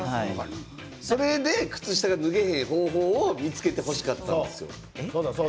それで靴下が脱げない方法を見つけてほしかった。